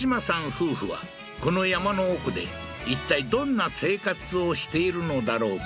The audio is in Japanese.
夫婦はこの山の奥でいったいどんな生活をしているのだろうか？